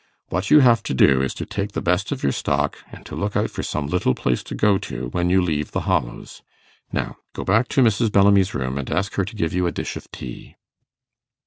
What you have to do is to take the best of your stock, and to look out for some little place to go to, when you leave The Hollows. Now, go back to Mrs. Bellamy's room, and ask her to give you a dish of tea.